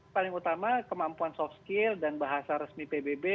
paling utama kemampuan soft skill dan bahasa resmi pbb